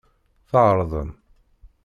Tɛeṛḍem.